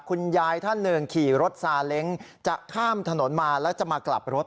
คุณยายท่านหนึ่งขี่รถซาเล้งจะข้ามถนนมาแล้วจะมากลับรถ